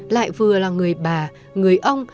lại vừa là người bà người ông